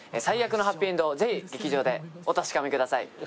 最悪のハッピーエンドをぜひ劇場でお確かめください。